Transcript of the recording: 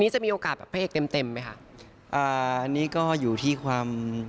แต่ว่า